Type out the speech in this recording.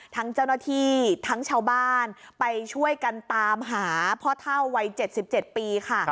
ทั้งเจ้าหน้าที่ทั้งชาวบ้านไปช่วยกันตามหาพ่อเท่าวัย๗๗ปีค่ะ